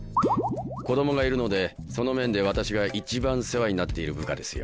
子供がいるのでその面で私が一番世話になっている部下ですよ。